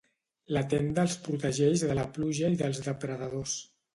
La tenda els protegeix de la pluja i dels depredadors.